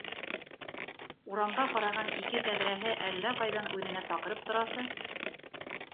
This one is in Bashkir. Урамға ҡараған ике тәҙрәһе әллә ҡайҙан үҙенә саҡырып торасы.